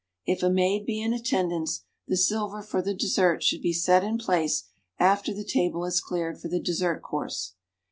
If a maid be in attendance, the siher for the dessert should be set in place after the table is cleared for the dessert course.